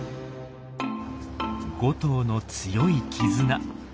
５頭の強い絆。